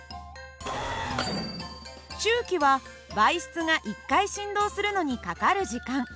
周期は媒質が１回振動するのにかかる時間。